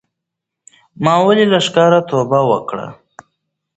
ما ولې له ښکاره توبه وکړه